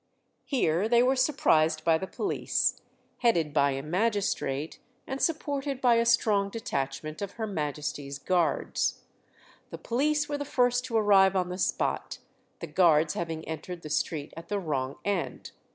Here they were surprised by the police, headed by a magistrate, and supported by a strong detachment of Her Majesty's Guards. The police were the first to arrive on the spot, the Guards having entered the street at the wrong end.